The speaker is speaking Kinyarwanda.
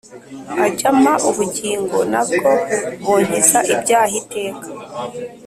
Ajya ampa ubugingo nabwo bunkiza ibyaha iteka